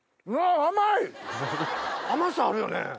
甘さあるよね。